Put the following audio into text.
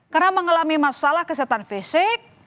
karena mengalami masalah kesetan fisik